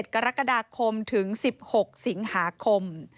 กรกฎาคมถึง๑๖สิงหาคม